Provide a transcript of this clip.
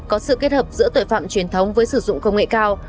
có sự kết hợp giữa tội phạm truyền thống với sử dụng công nghệ cao